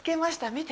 見て！